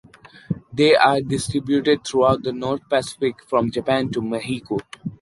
They are distributed throughout the North Pacific, from Japan to Mexico.